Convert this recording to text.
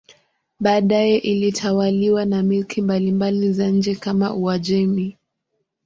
Baadaye ilitawaliwa na milki mbalimbali za nje kama Uajemi.